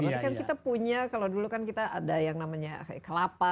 tapi kan kita punya kalau dulu kan kita ada yang namanya kelapa